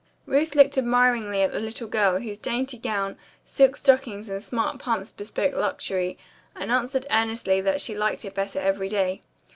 Ruth looked admiringly at the little girl, whose dainty gown, silk stockings and smart pumps bespoke luxury, and answered earnestly that she liked it better every day.